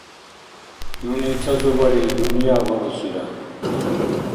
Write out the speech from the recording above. Нуни ца зубари-дунъя балусира.